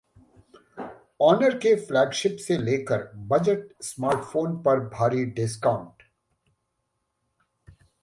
Honor के flagship से लेकर बजट स्मार्टफोन पर भारी डिस्काउंट